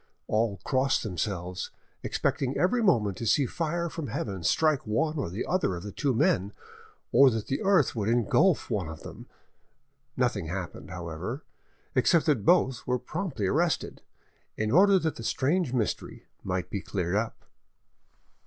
All crossed themselves, expecting every moment to see fire from heaven strike one or other of the two men, or that the earth would engulf one of them. Nothing happened, however, except that both were promptly arrested, in order that the strange mystery might be cleared up.